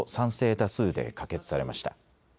多数で可決されました。